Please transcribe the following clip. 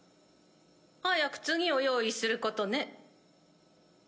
早く次を用意することね。